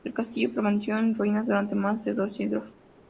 El castillo permaneció en ruinas durante más de dos siglos.